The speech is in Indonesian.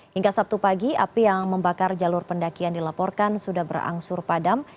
hingga sabtu pagi api yang membakar jalur pendakian dilaporkan sudah berangsur padam